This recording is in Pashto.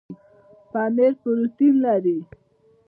پنیر پروټین لري